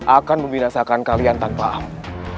akan membinasakan kalian tanpa amat